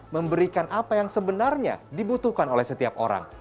memberikan apa yang sebenarnya dibutuhkan oleh setiap orang